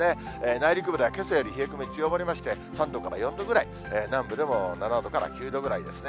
内陸部ではけさより冷え込み強まりまして、３度から４度ぐらい、南部でも７度から９度ぐらいですね。